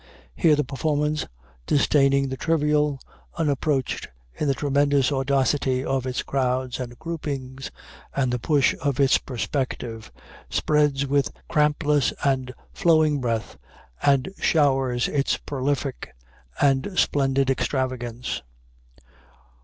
Here the performance, disdaining the trivial, unapproach'd in the tremendous audacity of its crowds and groupings, and the push of its perspective, spreads with crampless and flowing breadth, and showers its prolific and splendid extravagance.